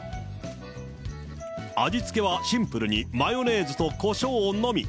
味付けはシンプルにマヨネーズとコショウのみ。